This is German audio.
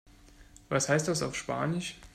Was heißt das auf Spanisch?